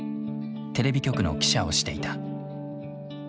テレビ局の記者をしていた。